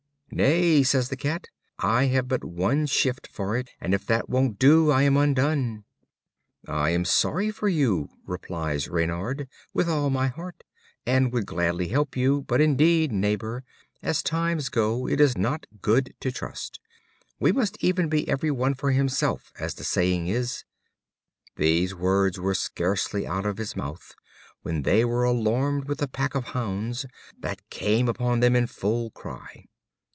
"Nay," says the Cat, "I have but one shift for it, and if that won't do, I am undone." "I am sorry for you," replies Reynard, "with all my heart, and would gladly help you, but indeed, neighbor, as times go, it is not good to trust; we must even be every one for himself, as the saying is." These words were scarcely out of his mouth, when they were alarmed with a pack of hounds, that came upon them in full cry.